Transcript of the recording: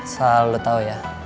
soal lo tau ya